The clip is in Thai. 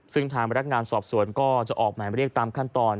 ซึ่งทางพนักงานสอบสวนก็จะออกหมายเรียกตามขั้นตอน